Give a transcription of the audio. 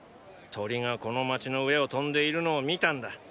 鳥がこの街の上を飛んでいるのを見たんだ！！